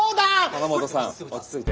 鎌本さん落ち着いて。